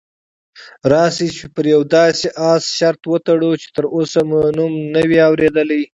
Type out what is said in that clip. راشه پر یوه داسې اس شرط وتړو چې تراوسه مو نوم نه وي اورېدلی.